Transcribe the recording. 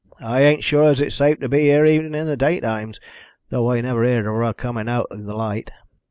I ain't sure as it's safe to be here even in daytimes, thow I never heered of her comin' out in the light."